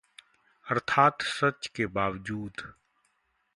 अर्थात्: सच के बावूजद